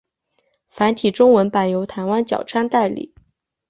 繁体中文版由台湾角川代理。